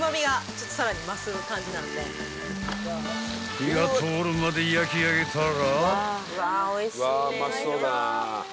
［火が通るまで焼き上げたら］